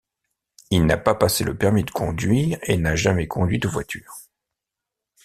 Il n'a pas passé le permis de conduire et n'a jamais conduit de voiture.